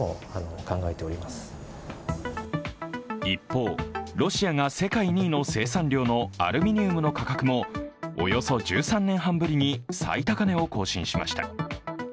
一方、ロシアが世界２位の生産量のアルミニウムの価格もおよそ１３年半ぶりに最高値を更新しました。